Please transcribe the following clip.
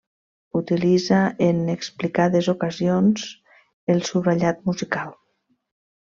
Utilitza en explicades ocasions el subratllat musical.